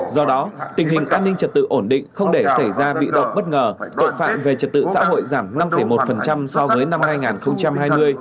do đó tình hình an ninh trật tự ổn định không để xảy ra bị động bất ngờ tội phạm về trật tự xã hội giảm năm một so với năm hai nghìn hai mươi